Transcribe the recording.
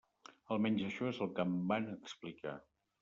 Almenys això és el que em van explicar.